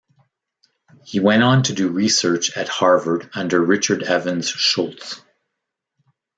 He went on to do research at Harvard under Richard Evans Schultes.